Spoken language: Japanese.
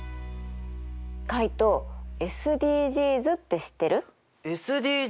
カイトＳＤＧｓって知ってる？